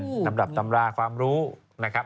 สำหรับตำราความรู้นะครับ